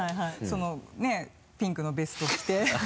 そのねピンクのベスト着て。